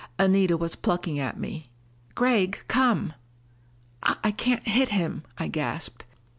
Anita was plucking at me. "Gregg, come." "I can't hit him," I gasped.